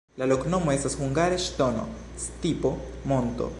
La loknomo estas hungare: ŝtono-stipo-monto.